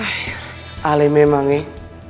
eh alih memang eh